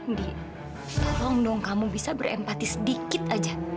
andi tolong dong kamu bisa berempati sedikit aja